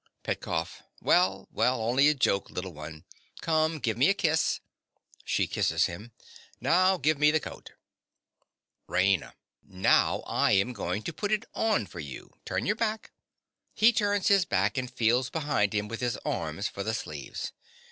PETKOFF. Well, well, only a joke, little one. Come, give me a kiss. (She kisses him.) Now give me the coat. RAINA. Now, I am going to put it on for you. Turn your back. (_He turns his back and feels behind him with his arms for the sleeves.